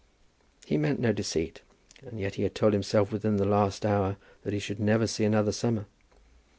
He meant no deceit, and yet he had told himself within the last hour that he should never see another summer.